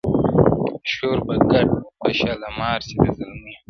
شور به ګډ په شالمار سي د زلمیو!!